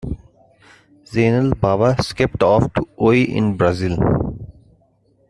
Zeinal Bava skipped off to Oi in Brazil.